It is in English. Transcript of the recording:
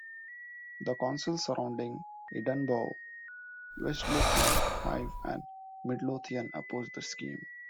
The councils surrounding Edinburgh - West Lothian, Fife and Midlothian - opposed the scheme.